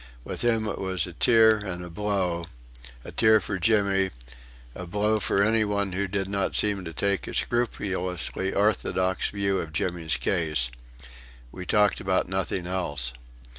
With him it was a tear and a blow: a tear for Jimmy, a blow for any one who did not seem to take a scrupulously orthodox view of Jimmy's case. We talked about nothing else.